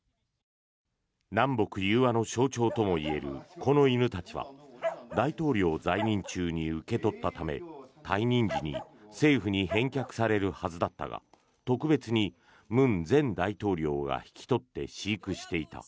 南北融和の象徴ともいえるこの犬たちは大統領在任中に受け取ったため退任時に政府に返却されるはずだったが特別に文前大統領が引き取って飼育していた。